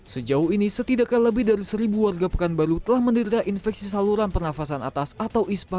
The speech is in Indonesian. sejauh ini setidaknya lebih dari seribu warga pekanbaru telah mendiri infeksi saluran pernafasan atas atau ispa